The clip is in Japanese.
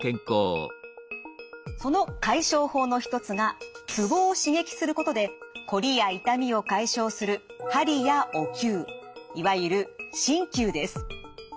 その解消法の一つがツボを刺激することでこりや痛みを解消するいわゆる鍼灸です。